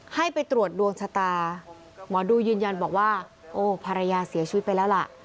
ให้ไปตรวจดวงชะตาหมอดูยืนยันบอกว่าโอ้ภรรยาเสียชีวิตไปแล้วล่ะ